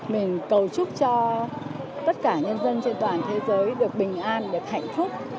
mình cầu chúc cho tất cả nhân dân trên toàn thế giới được bình an được hạnh phúc